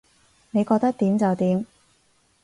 你覺得點就點